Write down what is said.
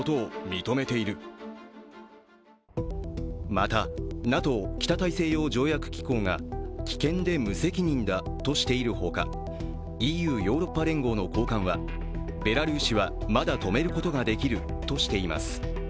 また、ＮＡＴＯ＝北大西洋条約機構が危険で無責任だとしているほかＥＵ＝ヨーロッパ連合の高官はベラルーシはまだ止めることができるとしています。